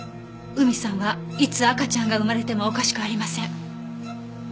海さんはいつ赤ちゃんが産まれてもおかしくありません。